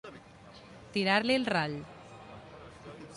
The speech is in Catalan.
Tirar-li el rall.